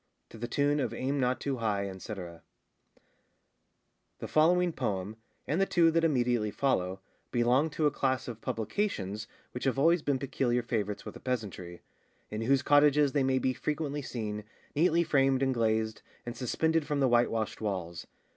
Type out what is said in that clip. To the tune of Aim not too high, &c. [THE following poem, and the two that immediately follow, belong to a class of publications which have always been peculiar favourites with the peasantry, in whose cottages they may be frequently seen, neatly framed and glazed, and suspended from the white washed walls.